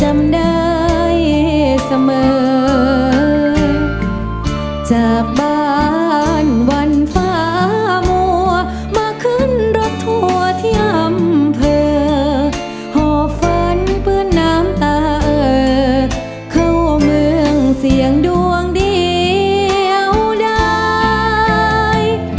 เมื่อจากบ้านวันฟ้าหมัวมาขึ้นรถถั่วที่อำเภอหอฟันเพลินน้ำตาเออเข้าเมืองเสียงดวงเดียวได้